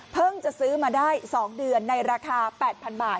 เพิ่งจะซื้อมาได้สองเดือนในราคาแปดพันบาท